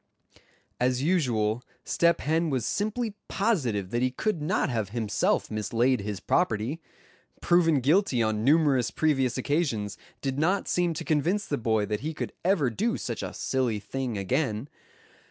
As usual Step Hen was simply positive that he could not have himself mislaid his property. Proven guilty on numerous previous occasions did not seem to convince the boy that he could ever do such a silly thing again.